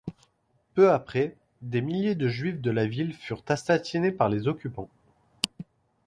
Peu après, des milliers de Juifs de la ville furent assassinés par les occupants.